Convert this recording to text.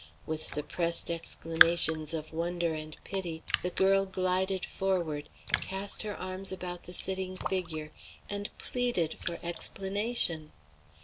With suppressed exclamations of wonder and pity the girl glided forward, cast her arms about the sitting figure, and pleaded for explanation.